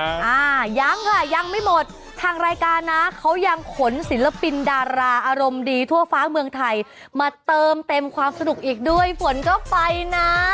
อ่ายังค่ะยังไม่หมดทางรายการนะเขายังขนศิลปินดาราอารมณ์ดีทั่วฟ้าเมืองไทยมาเติมเต็มความสนุกอีกด้วยฝนก็ไปนะ